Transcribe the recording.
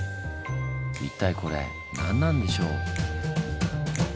一体これ何なんでしょう？